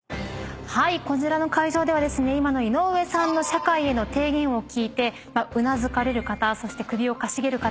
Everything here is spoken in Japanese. こちらの会場では今の井上さんの社会への提言を聞いてうなずかれる方そして首をかしげる方様々でした。